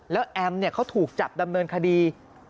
แล้วแอมเขาถูกจับดำเนินคดี